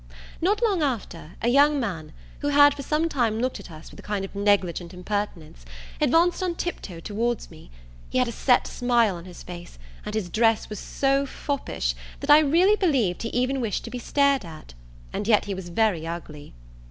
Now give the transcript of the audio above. Not long after, a young man, who had for some time looked at us with a kind of negligent impertinence, advanced on tiptoe towards me; he had a set smile on his face, and his dress was so foppish, that I really believed he even wished to be stared at; and yet he was very ugly.